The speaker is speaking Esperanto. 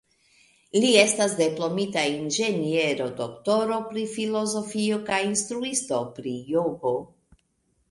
Li estas diplomita inĝeniero, doktoro pri filozofio kaj instruisto pri jogo.